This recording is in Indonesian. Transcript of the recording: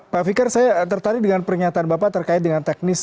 pak fikar saya tertarik dengan pernyataan bapak terkait dengan teknis